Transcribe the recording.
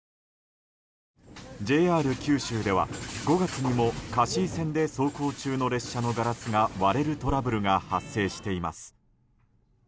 ＪＲ九州では５月にも香椎線で走行中の列車のガラスが割れるトラブルが発生しています。